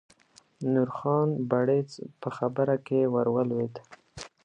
نورخان بړیڅ په خبره کې ور ولوېد.